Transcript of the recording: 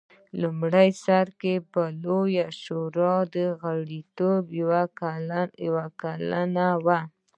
په لومړي سر کې په لویه شورا کې غړیتوب یو کلن و